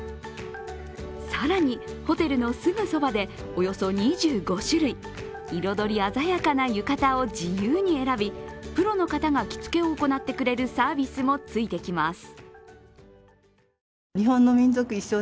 更に、ホテルのすぐそばでおよそ２５種類、彩り鮮やかな浴衣を自由に選びプロの方が着付けを行ってくれるサービスもついてきます。